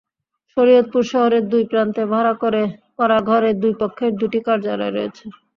শরীয়তপুর শহরের দুই প্রান্তে ভাড়া করা ঘরে দুই পক্ষের দুটি কার্যালয় রয়েছে।